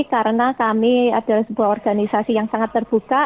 karena kami adalah sebuah organisasi yang sangat terbuka